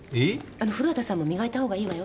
あの古畑さんも磨いたほうがいいわよ。